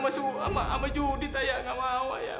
masa aku sama judit ayah nggak mau ayah